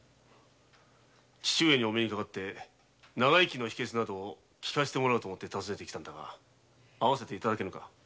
父上にお目にかかり長生きの秘訣を聞かせてもらおうと思って訪ねて来たのだが会わせてもらえぬか。